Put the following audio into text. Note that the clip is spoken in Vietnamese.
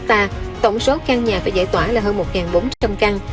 tổng số căn nhà phải giải tỏa là hơn một bốn trăm linh căn